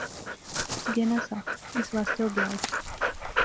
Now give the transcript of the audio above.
اس گینا ساہ، اس واسطے او گیا اٹھی